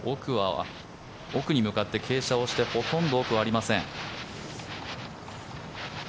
奥に向かって傾斜をしてほとんど奥はありません。